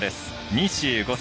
２５歳。